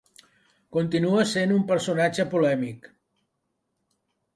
Continua sent un personatge polèmic.